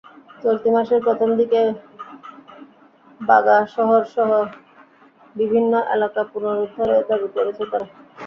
চলতি মাসের প্রথম দিকে বাগা শহরসহ বিভিন্ন এলাকা পুনরুদ্ধারেও দাবি করেছে তারা।